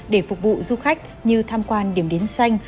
để phục vụ du khách như tham quan điểm đến xanh